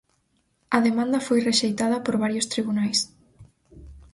A demanda foi rexeitada por varios tribunais.